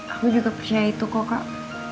aku juga percaya itu kok kak